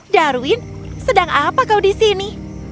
darwin sedang apa kau di sini